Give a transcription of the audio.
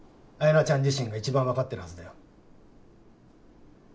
やなちゃん自身がいちばん分かってるはずだよ。